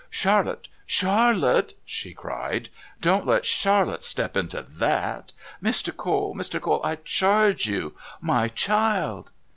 "Charlotte! Charlotte!" she cried. "Don't let Charlotte step into that! Mr. Cole! Mr. Cole! I charge you my child!"